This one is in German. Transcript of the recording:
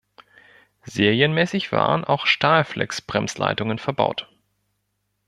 Serienmäßig waren auch Stahlflex-Bremsleitungen verbaut.